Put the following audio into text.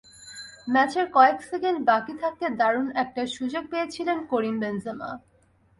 ম্যাচের কয়েক সেকেন্ড বাকি থাকতে দারুণ একটা সুযোগ পেয়েছিলেন করিম বেনজেমা।